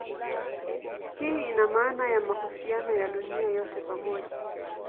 Hii ina maana ya mahusiano ya dunia yote pamoja.